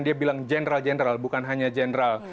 dia bilang general general bukan hanya general